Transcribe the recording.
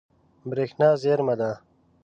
برېښنا زیرمه ده.